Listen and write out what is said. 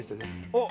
おっ！